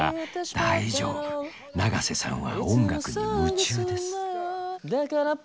大丈夫永瀬さんは音楽に夢中です。